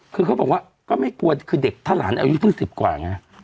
คือเขาบอกว่าก็ไม่กลัวคือเด็กถ้าหลานอายุเพิ่ง๑๐กว่าไง